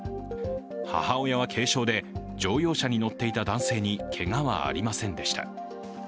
母親は軽傷で乗用車に乗っていた男性にけがはありませんでした。